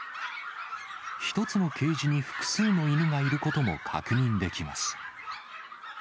１つのケージに複数の犬がいることも確認できます。